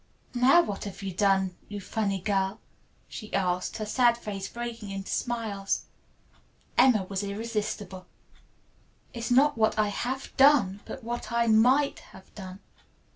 "Now what have you done, you funny girl?" she asked, her sad face breaking into smiles. Emma was irresistible. "It is not what I have done, but what I might have done.